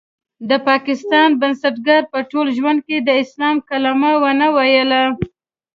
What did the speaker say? د پاکستان بنسټګر په ټول ژوند کې د اسلام کلمه ونه ويله.